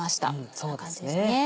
こんな感じですね。